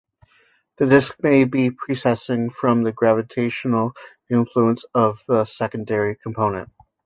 The disk may be precessing from the gravitational influence of the secondary component.